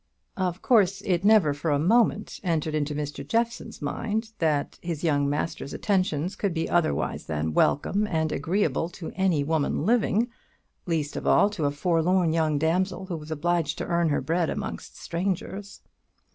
Of course it never for a moment entered into Mr Jeffson's mind that his young master's attentions could be otherwise than welcome and agreeable to any woman living, least of all to a forlorn young damsel who was obliged to earn her bread amongst strangers.